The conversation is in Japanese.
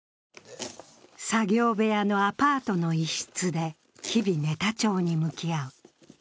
作業部屋のアパートの一室で日々、ネタ帳に向き合う。